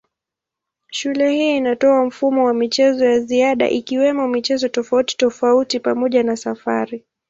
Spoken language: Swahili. Shule hii inatoa mfumo wa michezo ya ziada ikiwemo michezo tofautitofauti pamoja na safari.